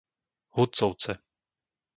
Hudcovce